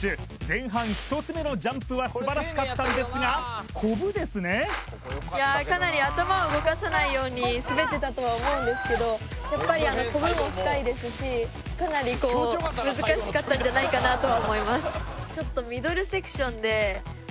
前半１つ目のジャンプは素晴らしかったんですがコブですねいやかなり頭を動かさないように滑ってたとは思うんですけどやっぱりコブも深いですしかなりこう難しかったんじゃないかなとは思います